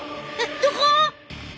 どこ！？